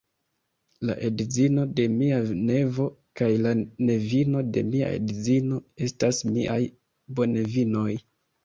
La edzino de mia nevo kaj la nevino de mia edzino estas miaj bonevinoj.